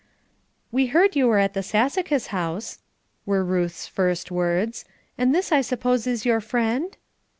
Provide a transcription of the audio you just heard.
"We heard you were at the Sassacus House," were Ruth's first words; "and this I suppose is your friend?"